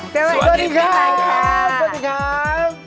สวัสดีครับสวัสดีครับ